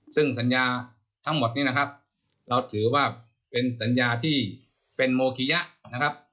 ซึ่งสัญญาทั้งหมดนี้เราถือว่าเป็นสัญญาที่เป็นโบคียะ